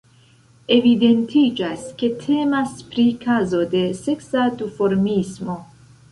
Evidentiĝas ke temas pri kazo de seksa duformismo.